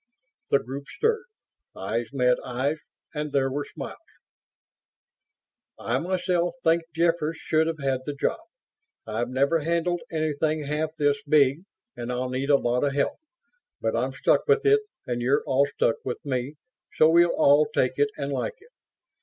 The group stirred. Eyes met eyes, and there were smiles. "I myself think Jeffers should have had the job. I've never handled anything half this big and I'll need a lot of help. But I'm stuck with it and you're all stuck with me, so we'll all take it and like it.